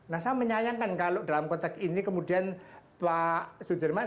nah saya menyayangkan kalau dalam konteks ini kemudian pak sudirman